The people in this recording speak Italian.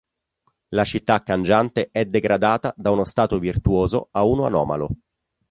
La città cangiante è degradata da uno stato virtuoso a uno anomalo.